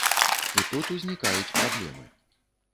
І тут узнікаюць праблемы.